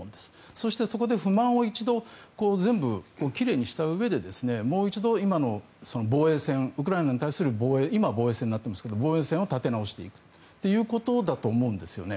そしてそこで不満を一度全部奇麗にしたうえでもう一度、今の防衛線ウクライナに対する今は防衛線になっていますが防衛線を立て直していくということになっていくと思うんですよね。